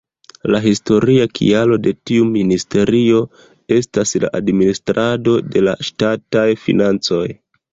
La historia kialo de tiu ministerio estas la administrado de la ŝtataj financoj.